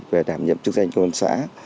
về đảm nhiệm chức danh công an xã